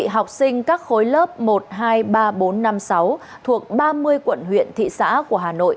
học sinh các khối lớp một hai ba bốn năm sáu thuộc ba mươi quận huyện thị xã của hà nội